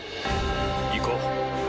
行こう。